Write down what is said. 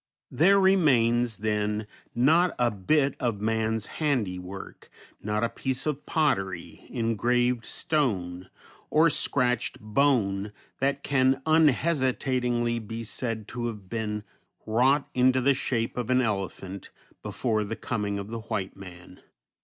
There remains, then, not a bit of man's handiwork, not a piece of pottery, engraved stone, or scratched bone that can unhesitatingly be said to have been wrought into the shape of an elephant before the coming of the white man.